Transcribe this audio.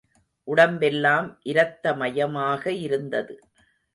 உடம்பெல்லாம் இரத்தமயமாக இருந்தது.